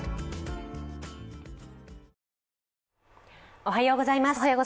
おはようございます。